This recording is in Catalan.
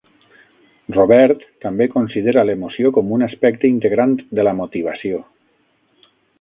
Robert també considera l'emoció com un aspecte integrant de la motivació.